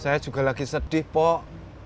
saya juga lagi sedih pok